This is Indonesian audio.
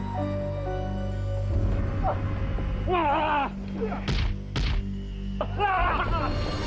jangan lupa tarik pelanggan